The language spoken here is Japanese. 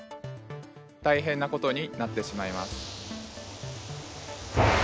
大変なことになってしまいます。